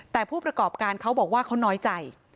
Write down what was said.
แต่ผู้ประกอบการเขาบอกว่าเขาน้อยใจ